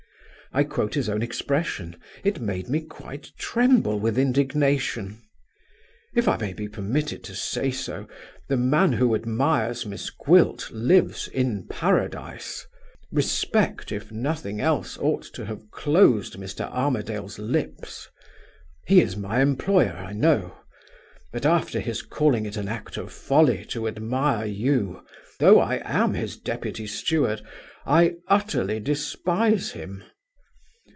I quote his own expression; it made me quite tremble with indignation. If I may be permitted to say so, the man who admires Miss Gwilt lives in Paradise. Respect, if nothing else, ought to have closed Mr. Armadale's lips. He is my employer, I know; but after his calling it an act of folly to admire you (though I am his deputy steward), I utterly despise him.